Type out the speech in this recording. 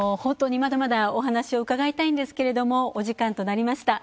まだまだお話を伺いたいんですけれどもお時間となりました。